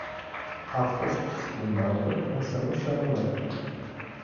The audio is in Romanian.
A fost schimbată, însă nu și anulată.